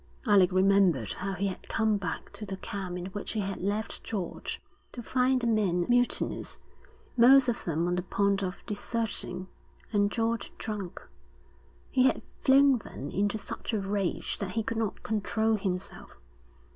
Alec remembered how he had come back to the camp in which he had left George, to find the men mutinous, most of them on the point of deserting, and George drunk. He had flown then into such a rage that he could not control himself.